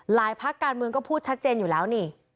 พักการเมืองก็พูดชัดเจนอยู่แล้วนี่